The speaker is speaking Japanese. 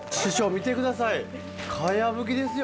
見てくださいかやぶきですよ。